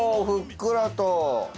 ふっくらと。